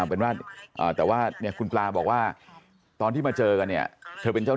เพราะว่าโอ๊ะคุณปลาบอกว่าตอนที่มาเจอกันนะเธอเป็นจ้าว